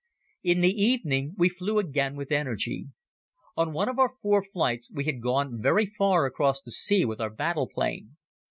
In the evening we flew again with energy. On one of our flights we had gone very far across the sea with our battle plane.